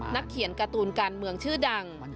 นักเขียนการ์ตูนการเมืองชื่อดัง